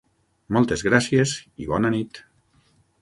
Moltes gràcies i bona nit!